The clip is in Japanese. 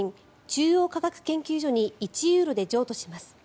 中央科学研究所に１ユーロで譲渡します。